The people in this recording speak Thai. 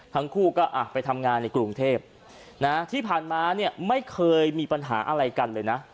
ทั้งคู่ก็อ่ะไปทำงานในกรุงเทพนะที่ผ่านมาเนี่ยไม่เคยมีปัญหาอะไรกันเลยนะ